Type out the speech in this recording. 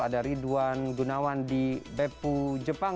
ada ridwan gunawan di bepu jepang